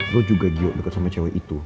lo juga giok deket sama cewek itu